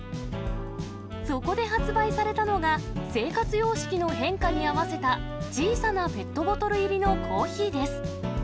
そこで発売されたのが、生活様式の変化に合わせた、小さなペットボトル入りのコーヒーです。